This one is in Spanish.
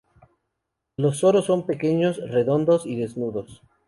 Los soros son pequeños, redondos y desnudos.